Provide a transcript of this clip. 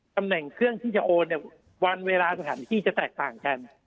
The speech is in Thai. ตำแหน่งเครื่องที่จะโอนเนี่ยวันเวลาสถานที่จะแตกต่างกัน